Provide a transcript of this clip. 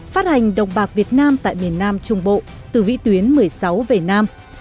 phát hành đồng bạc việt nam tại miền nam trung bộ từ vĩ tuyến một mươi sáu về nam